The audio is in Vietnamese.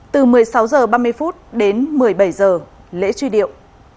từ một mươi sáu h ba mươi đến một mươi bảy h lễ truy điệu